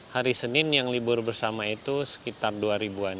hari senin yang libur bersama itu sekitar dua ribu an